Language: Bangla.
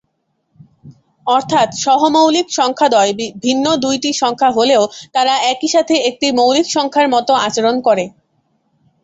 অর্থাৎ সহ-মৌলিক সংখ্যাদ্বয় ভিন্ন দুইটি সংখ্যা হলেও তারা একই সাথে একটি মৌলিক সংখ্যার মত আচরণ করে।